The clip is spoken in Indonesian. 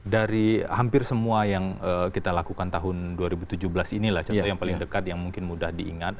dari hampir semua yang kita lakukan tahun dua ribu tujuh belas inilah contoh yang paling dekat yang mungkin mudah diingat